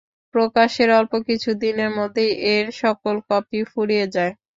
প্রকাশের অল্প কিছু দিনের মধ্যেই এর সকল কপি ফুরিয়ে যায়।